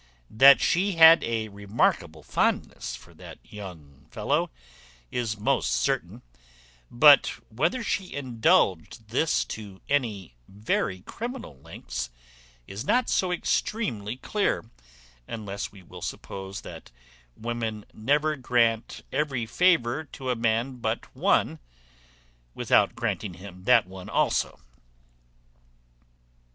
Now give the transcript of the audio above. That she had a remarkable fondness for that young fellow is most certain; but whether she indulged this to any very criminal lengths is not so extremely clear, unless we will suppose that women never grant every favour to a man but one, without granting him that one also.